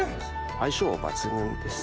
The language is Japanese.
相性は抜群です。